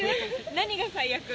何が最悪？